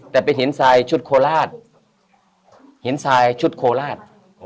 แต่เป็นหินทรายชุดโคลาส